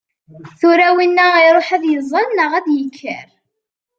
Tura winna iruḥ ad yeẓẓal neɣ ad d-yaker?